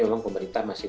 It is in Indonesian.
orang pemberitahuan itu